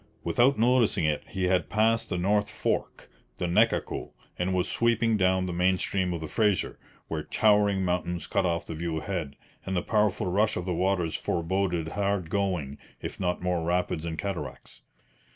Without noticing it, he had passed the north fork, the Nechaco, and was sweeping down the main stream of the Fraser, where towering mountains cut off the view ahead, and the powerful rush of the waters foreboded hard going, if not more rapids and cataracts.